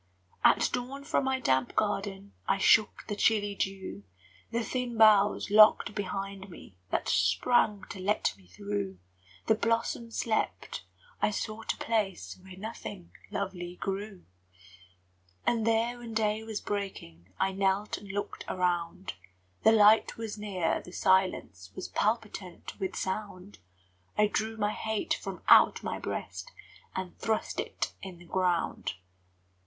At dawn from my damp garden I shook the chilly dew; The thin boughs locked behind me That sprang to let me through; The blossoms slept, I sought a place Where nothing lovely grew. And there, when day was breaking, I knelt and looked around: The light was near, the silence Was palpitant with sound; I drew my hate from out my breast And thrust it in the ground.